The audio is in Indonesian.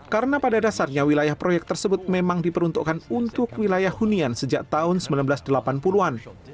karena pada dasarnya wilayah proyek tersebut memang diperuntukkan untuk wilayah hunian sejak tahun seribu sembilan ratus delapan puluh an